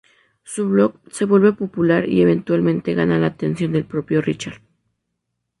Su blog se vuelve popular y eventualmente gana la atención del propio Richard.